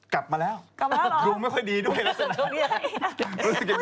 กลับมาแล้วดวงไม่ค่อยดีด้วยรู้สึกอย่างไร